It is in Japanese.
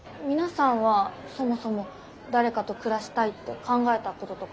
皆さんはそもそも誰かと暮らしたいって考えたこととかあります？